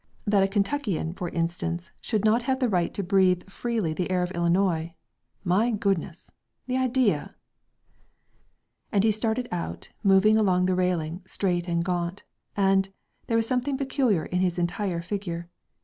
That a Kentuckian, for instance, should not have the right to breathe freely the air of Illinois.... My goodness.... The idea!" And he started out, moving along the railing, straight and gaunt, and, there was something peculiar in his entire figure.